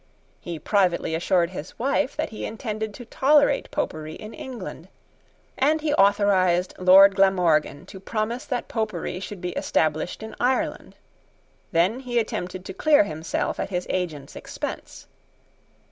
He privately assured his wife, that he intended to tolerate Popery in England; and he authorised Lord Glamorgan to promise that Popery should be established in Ireland. Then he attempted to clear himself at his agent's expense.